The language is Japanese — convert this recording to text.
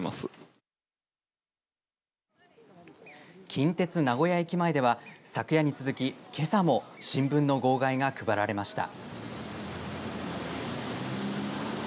近鉄名古屋駅前では昨夜に続きけさも新聞の号外が配られました。